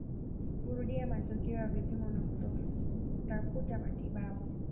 kurudia matokeo ya vipimo na kutotafuta matibabu